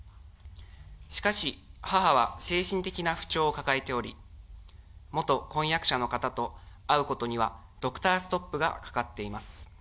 しかし、母は精神的な不調を抱えており、元婚約者の方と会うことにはドクターストップがかかっています。